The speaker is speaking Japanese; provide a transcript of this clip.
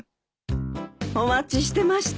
お待ちしてました。